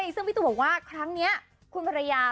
ซึ่งพี่ตูบอกว่าครั้งนี้คุณภรรยา